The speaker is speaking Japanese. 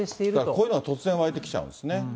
こういうのが突然湧いてきちゃうんですね。